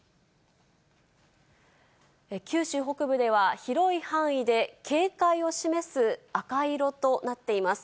九州北部では広い範囲で警戒を示す赤色となっています。